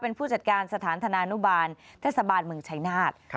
เป็นผู้จัดการสถานธนานุบาลเทศบาลเมืองชายนาฏ